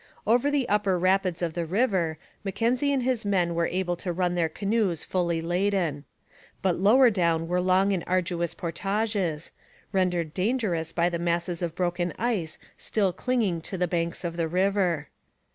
Over the upper rapids of the river, Mackenzie and his men were able to run their canoes fully laden; but lower down were long and arduous portages, rendered dangerous by the masses of broken ice still clinging to the banks of the river.